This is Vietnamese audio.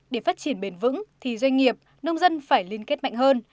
để phát triển bền vững thì doanh nghiệp nông dân phải liên kết mạnh hơn